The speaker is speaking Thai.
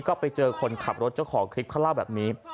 ก็ไปเจอคนขับรถเจ้าของคลิปเขาเล่าแบบนี้